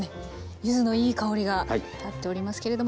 柚子のいい香りが立っておりますけれども。